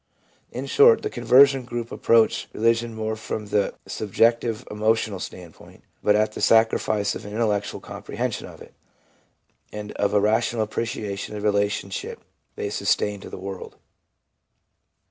In short, the con version group approach religion more from the subjective, emotional standpoint ; but at the sacrifice of an intellectual comprehension of it, and of a rational appi'eciation of the relationship they sustain to tlie world.